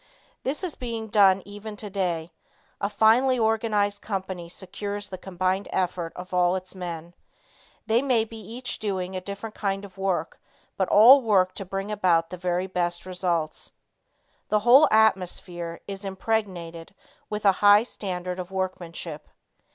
This is being done even today. A finely organized company secures the combined effort of all its men. They may be each doing a different kind of work, but all work to bring about the very best results. The whole atmosphere is impregnated with a high standard of workmanship.